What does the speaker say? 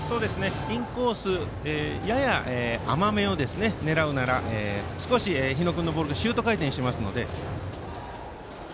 インコース、やや甘めを狙うなら少し日野君のボールはシュート回転しますので。